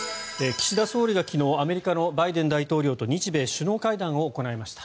岸田総理が昨日アメリカのバイデン大統領と日米首脳会談を行いました。